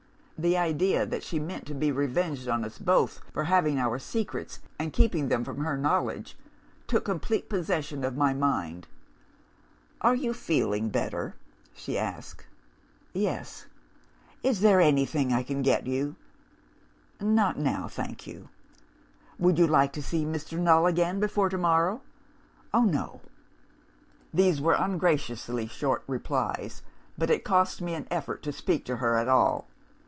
The idea that she meant to be revenged on us both for having our secrets, and keeping them from her knowledge, took complete possession of my mind. "'Are you feeling better?' she asked. "'Yes.' "'Is there anything I can get for you?' "'Not now thank you.' "'Would you like to see Mr. Null again, before to morrow?' "'Oh, no!' "These were ungraciously short replies but it cost me an effort to speak to her at all.